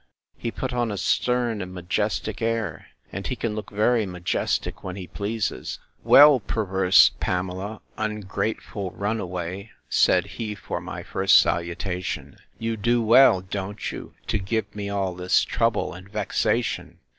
He put on a stern and majestic air; and he can look very majestic when he pleases. Well, perverse Pamela, ungrateful runaway, said he, for my first salutation!—You do well, don't you, to give me all this trouble and vexation!